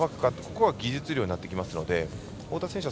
ここは技術量になってきますので太田選手